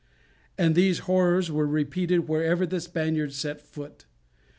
And these horrors were repeated wherever the Spaniards set foot!